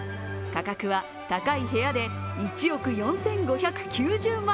価格は高い部屋で１億４５９０万円。